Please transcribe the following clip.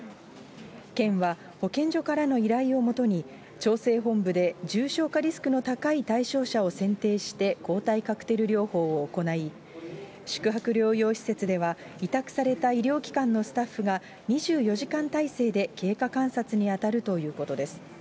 県は、保健所からの依頼をもとに、調整本部で重症化リスクの高い対象者を選定して抗体カクテル療法を行い、宿泊療養施設では、委託された医療機関のスタッフが、２４時間態勢で経過観察に当たるということです。